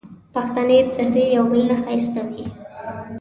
پښتني څېرې یو بل نه ښایسته وې